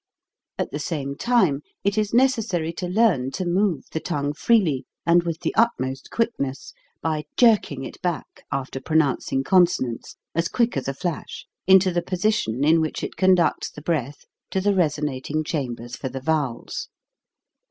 At the same time it is necessary to learn to move the tongue freely, and with the ut most quickness, by jerking it back, after pro nouncing consonants, as quick as a flash, into the position in which it conducts the breath to the resonating chambers for the vowels.